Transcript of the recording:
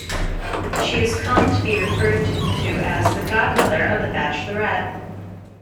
She has come to be referred to as the "Godmother" of the Bachelorette.